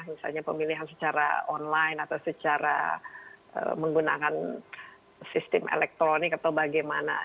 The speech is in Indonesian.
misalnya pemilihan secara online atau secara menggunakan sistem elektronik atau bagaimana